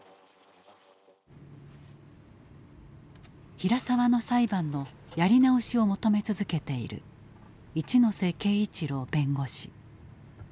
平沢の裁判のやり直しを求め続けている一瀬敬一郎弁護士。